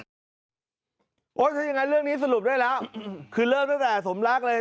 โอ้ยที่ยังไงเรื่องนี้สรุปด้วยแล้วคือเริ่มตั้งแต่สมรักเลย